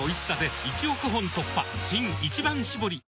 新「一番搾り」